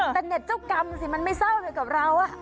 แต่เน็ตเจ้ากรรมสิมันไม่เศร้าเลยกับเรา